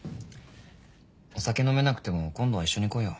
お酒飲めなくても今度は一緒に来いよ。